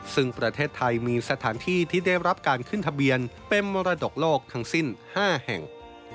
ซึ่งประเทศไทยมีสถานที่ที่ได้รับการขึ้นทะเบียนเป็นมรดกโลกทั้งสิ้น๕แห่ง